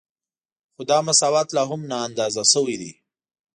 خو دا مساوات لا هم نااندازه شوی دی